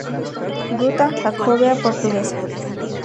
Ruta Jacobea Portuguesa